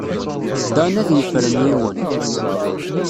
Dan ad yefren yiwen.